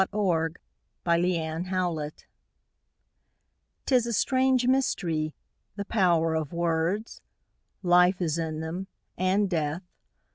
L. The Power of Words 'TIS a strange mystery, the power of words! Life is in them, and death.